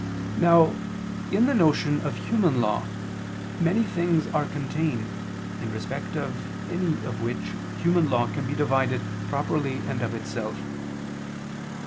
Now, in the notion of human law, many things are contained, in respect of any of which human law can be divided properly and of itself.